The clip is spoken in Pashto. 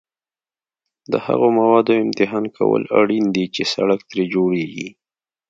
د هغو موادو امتحان کول اړین دي چې سړک ترې جوړیږي